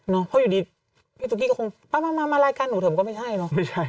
เพราะอยู่ดีพี่ตุ๊กกี้ก็คงมารายการหนูเถอะมันก็ไม่ใช่เนอะ